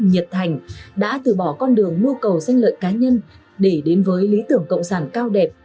nhiệt thành đã từ bỏ con đường mưu cầu xanh lợi cá nhân để đến với lý tưởng cộng sản cao đẹp